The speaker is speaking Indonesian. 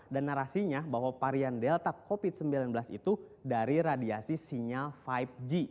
dan narasinya bahwa varian delta covid sembilan belas itu dari radiasi sinyal lima g